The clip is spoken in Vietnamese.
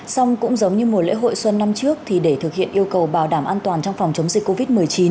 xong cũng giống như mùa lễ hội xuân năm trước thì để thực hiện yêu cầu bảo đảm an toàn trong phòng chống dịch covid một mươi chín